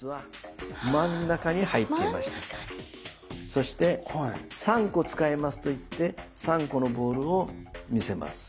そして「３個使います」と言って３個のボールを見せます。